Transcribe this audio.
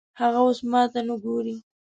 هغه اوس ماته نه ګوري